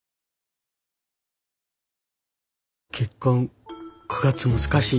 結婚９月難しい。